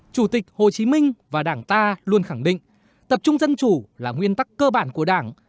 chủ tịch hồ chí minh và đảng ta luôn khẳng định tập trung dân chủ là nguyên tắc cơ bản của đảng